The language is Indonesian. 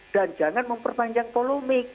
dan jangan memperpanjang polemik